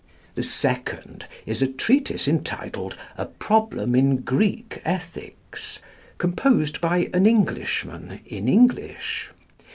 The second is a treatise entitled "A Problem in Greek Ethics," composed by an Englishman in English.